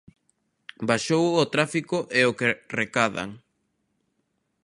Baixou o tráfico e o que recadan.